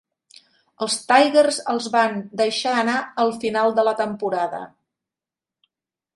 Els Tigers el van deixar anar al final de la temporada.